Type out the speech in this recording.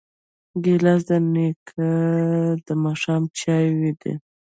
ګیلاس د نیکه د ماښام چایو دی.